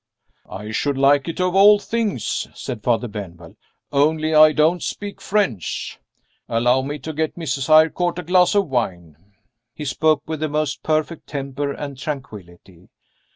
"I should like it of all things," said Father Benwell. "Only I don't speak French. Allow me to get Miss Eyrecourt a glass of wine." He spoke with the most perfect temper and tranquillity.